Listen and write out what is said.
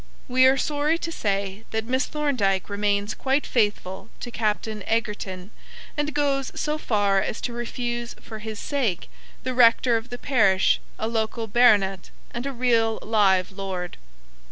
We are sorry to say that Miss Thorndyke remains quite faithful to Captain Egerton, and goes so far as to refuse for his sake the rector of the parish, a local baronet, and a real live lord.